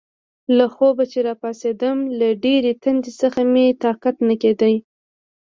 له خوبه چې راپاڅېدم، له ډېرې تندې څخه مې طاقت نه کېده.